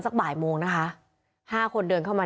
เมื่อวานแบงค์อยู่ไหนเมื่อวาน